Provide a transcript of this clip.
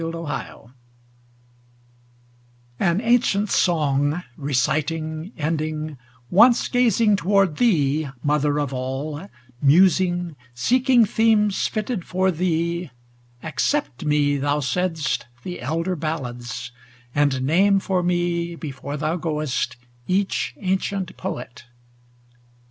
Old Chants An ancient song, reciting, ending, Once gazing toward thee, Mother of All, Musing, seeking themes fitted for thee, Accept me, thou saidst, the elder ballads, And name for me before thou goest each ancient poet.